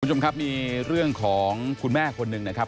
คุณผู้ชมครับมีเรื่องของคุณแม่คนหนึ่งนะครับ